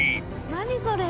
何それ。